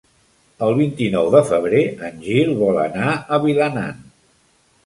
El vint-i-nou de febrer en Gil vol anar a Vilanant.